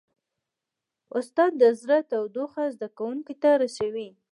استاد د زړه تودوخه زده کوونکو ته رسوي.